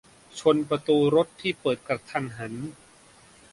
- ชนประตูรถที่เปิดกระทันหัน